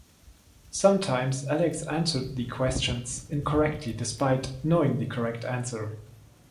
Sometimes, Alex answered the questions incorrectly, despite knowing the correct answer.